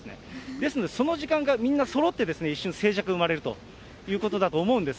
ですのでその時間がみんなそろって、一瞬静寂生まれるということだと思うんです。